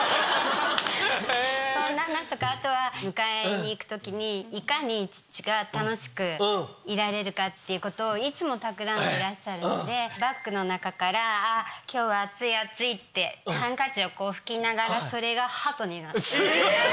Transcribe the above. そんな話とかあとは迎えに行く時にちっちが。っていうことをいつもたくらんでいらっしゃるのでバッグの中から「あ今日は暑い暑い」ってハンカチをこう拭きながらそれがハトになって。